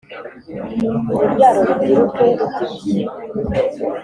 Urubyaro rubyiruke rubyibushye